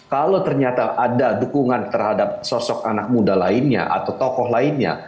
kalau ternyata ada dukungan terhadap sosok anak muda lainnya atau tokoh lainnya